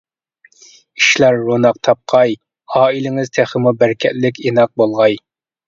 ئىشلار روناق تاپقاي، ئائىلىڭىز تېخىمۇ بەرىكەتلىك، ئىناق بولغاي.